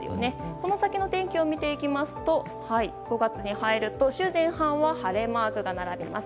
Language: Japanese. この先の天気を見ていきますと５月前半は晴れマークが並びます。